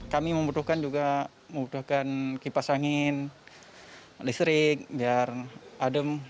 kami membutuhkan juga membutuhkan kipas angin listrik biar adem